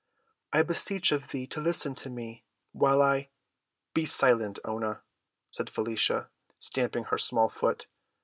"I beseech of thee to listen to me, while I—" "Be silent, Oonah," said Felicia, stamping her small foot.